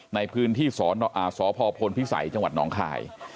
ในพื้นที่สพภิษัยจังหวัดหนองคลาย